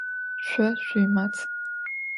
Şso şsuimat.